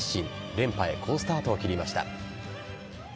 連覇へ好スタートを切りました。